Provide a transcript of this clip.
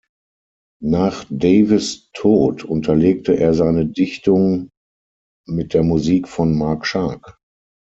Nach Davis Tod unterlegte er seine Dichtung mit der Musik von Mark Shark.